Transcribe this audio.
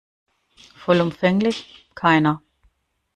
Vollumfänglich, keiner.